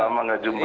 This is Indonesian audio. lama lama gak jumpa